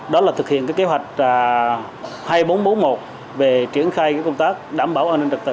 đó là thực hiện kế hoạch hai nghìn bốn trăm bốn mươi một về triển khai công tác đảm bảo an ninh trật tự